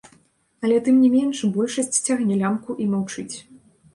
Але, тым не менш, большасць цягне лямку і маўчыць.